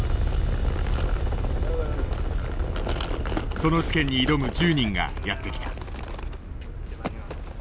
その試験に挑む１０人がやって来た。